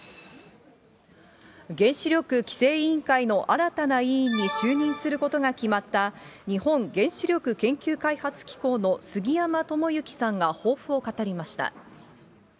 原子力規制委員会の新たな委員に就任することが決まった、日本原子力研究開発機構の杉山智之さんが抱負を語りました。